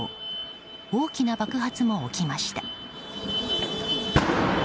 大きな爆発も起きました。